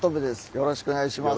よろしくお願いします。